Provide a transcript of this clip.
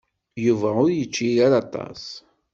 Yuba ur yečči ara aṭas.